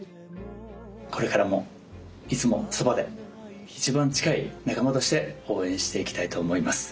これからもいつもそばで一番近い仲間として応援していきたいと思います。